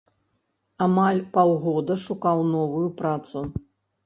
Амаль паўгода шукаў новую працу.